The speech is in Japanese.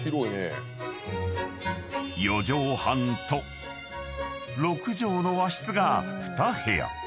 ［４畳半と６畳の和室が２部屋］